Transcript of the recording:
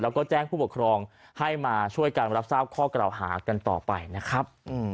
แล้วก็แจ้งผู้ปกครองให้มาช่วยการรับทราบข้อกล่าวหากันต่อไปนะครับ